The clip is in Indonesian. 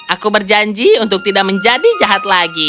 aku berjanji untuk tidak menjadi jahat lagi